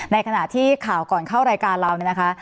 ในขณะที่ข่าวก่อนเข้ารายการเราเนี่ยนะคะ